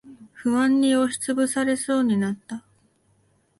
不安に押しつぶされそうになった。